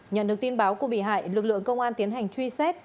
nhận được tin báo của bị hại lực lượng công an tiến hành truy xét